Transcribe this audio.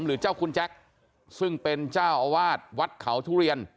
หรือเจ้าคุณแจ็คซึ่งเป็นเจ้าอาวาสวัดเขาทุเรียน